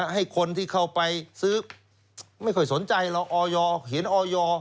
ให้คนที่เข้าไปซื้อไม่ค่อยสนใจหรอกออยเห็นออย